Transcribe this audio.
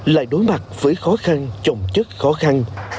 lại đối mặt với khó khăn trồng chất khó khăn